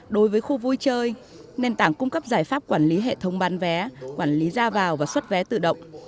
đối với khu vui chơi nền tảng cung cấp giải pháp quản lý hệ thống bán vé quản lý ra vào và xuất vé tự động